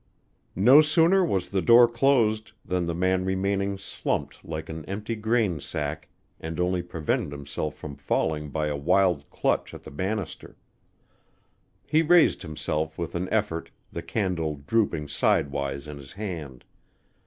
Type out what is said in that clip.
No sooner was the door closed than the man remaining slumped like an empty grain sack and only prevented himself from falling by a wild clutch at the bannister. He raised himself with an effort, the candle drooping sidewise in his hand.